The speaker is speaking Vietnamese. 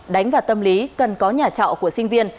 đánh vào tâm lý cần có nhà trọ của sinh viên